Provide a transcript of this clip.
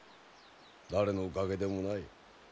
誰のおかげでもない。